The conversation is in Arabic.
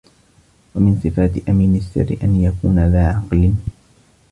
وَمِنْ صِفَاتِ أَمِينِ السِّرِّ أَنْ يَكُونَ ذَا عَقْلٍ